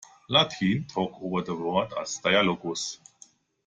Latin took over the word as "dialogus".